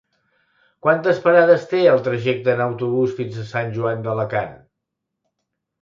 Quantes parades té el trajecte en autobús fins a Sant Joan d'Alacant?